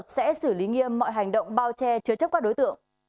từ lý nghiêm mọi hành động bao che chứa chấp các đối tượng